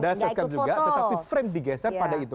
ada soscar juga tetapi frame digeser pada itu